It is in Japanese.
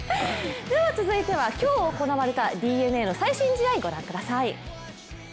続いては今日行われたＤｅＮＡの最新試合ご覧ください。